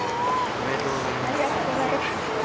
ありがとうございます。